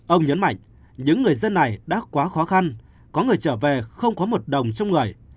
ông nhấn mạnh những người dân này đã quá khó khăn có người trở về không có một đồng trong người